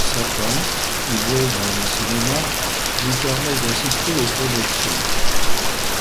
Sa tante, ouvreuse dans un cinéma, lui permet d’assister aux projections.